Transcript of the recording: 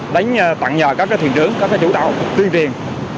đánh tặng nhờ các thuyền trường các chủ tàu tuyên truyền